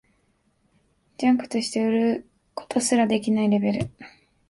ジャンクとして売ることすらできないレベル